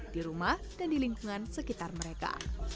di rumah dan di lingkungan sekitar mereka